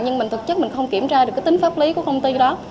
nhưng thực chất mình không kiểm tra được tính pháp lý của công ty đó